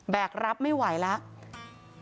รับไม่ไหวแล้ว